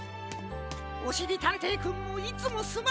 おしりたんていくんもいつもすまんのう。